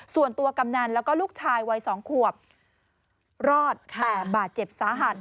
ส่วนตัวกำนันและลูกชายวัย๒ขวบรอด๘บาทเจ็บสาหัส